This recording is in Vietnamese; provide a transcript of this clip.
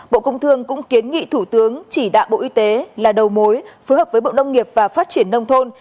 bộ công thương cũng kiến nghị thủ tướng chỉ đạo bộ y tế là đầu mối phối hợp với bộ nông nghiệp và phát triển nông thôn